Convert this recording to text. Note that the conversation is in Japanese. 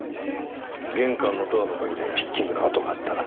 玄関のドアの鍵にはピッキングの跡があった。